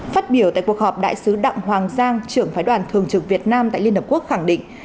phát biểu tại cuộc họp đại sứ đặng hoàng giang trưởng phái đoàn thường trực việt nam tại liên hợp quốc khẳng định